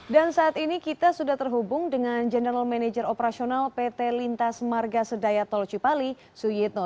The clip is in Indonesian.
dan saat ini kita sudah terhubung dengan general manager operasional pt lintas marga sedaya tolcipali suyitno